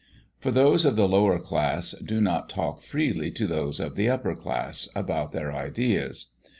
For those of the lower class do not talk freely to those of the upper class about their ideas.